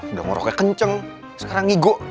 udah ngoroknya kenceng sekarang ngigo